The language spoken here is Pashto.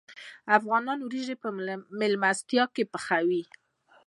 افغانان وریجې په میلمستیا کې پخوي.